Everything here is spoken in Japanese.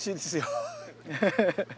アハハハハ。